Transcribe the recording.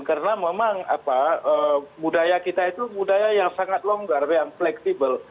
karena memang apa mudaya kita itu mudaya yang sangat longgar yang fleksibel